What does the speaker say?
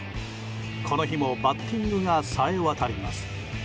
この日もバッティングがさえ渡ります。